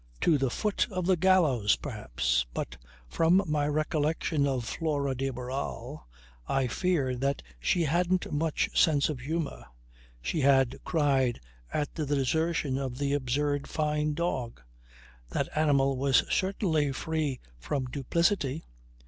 To the foot of the gallows, perhaps. But from my recollection of Flora de Barral I feared that she hadn't much sense of humour. She had cried at the desertion of the absurd Fyne dog. That animal was certainly free from duplicity.